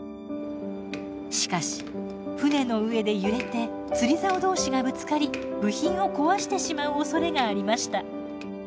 しかし船の上で揺れて釣りざお同士がぶつかり部品を壊してしまうおそれがありました。